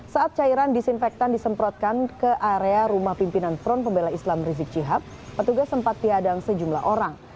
saat cairan disinfektan disemprotkan ke area rumah pimpinan front pembela islam rizik syihab petugas sempat diadang sejumlah orang